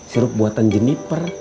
sirop buatan jeniper